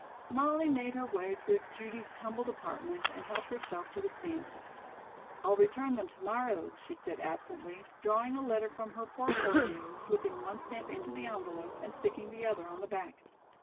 Molly made her way through Judy's tumbled apartment and helped herself to the stamps. "I'll return them to morrow," she said absently, drawing a letter from her portfolio, slipping one stamp into the envelope, and sticking the other on the back.